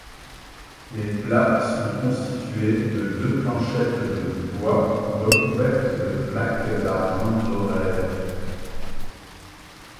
Les plats sont constitués de deux planchettes de bois recouvertes de plaques d’argent dorées.